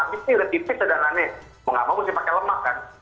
semua abis ini udah tipis sedangannya mau gak mau mesti pakai lemak kan